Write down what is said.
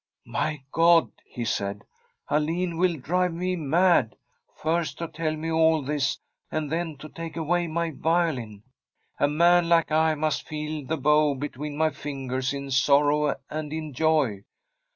* My God !' he said, 'Alin will drive me mad. First to tell me all this, and then to take away my violin t A man like I must feel the bow be tween his fingers in sorrow and in joy.